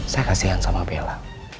saya kasihan sama bella